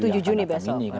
tujuh juni besok